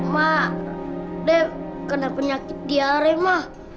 ma def kena penyakit diare ma